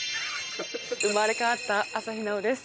生まれ変わった朝日奈央です。